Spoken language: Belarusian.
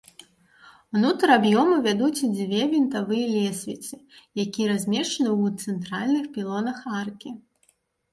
Унутр аб'ёму вядуць дзве вінтавыя лесвіцы, якія размешчаны ў цэнтральных пілонах аркі.